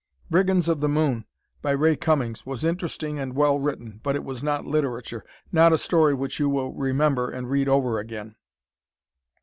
"Brigands of the Moon," by Ray Cummings, was interesting and well written, but it was not literature (not a story which you will remember and read over again).